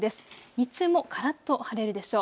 日中も、からっと晴れるでしょう。